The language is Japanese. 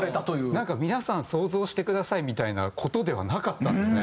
なんか「皆さん想像してください」みたいな事ではなかったんですね。